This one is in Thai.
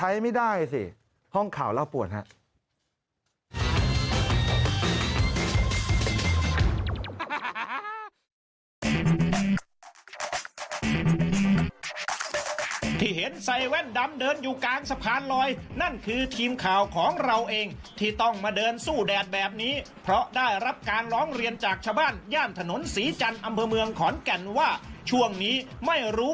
อีกจุดเน็ตมันใช้ไม่ได้สิห้องข่าวแล้วปวดฮะ